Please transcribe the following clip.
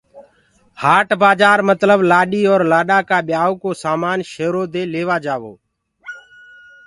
هآٽ بآجآر متلب لآڏي اور لآڏآ ڪآ ٻيآيوٚ ڪو سآمآن شيرو دي لي وآ جآوو۔